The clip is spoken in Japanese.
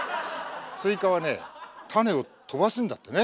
スイカはね種を飛ばすんだってね。